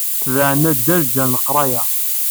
Tebɛen addal, ǧǧan leqraya.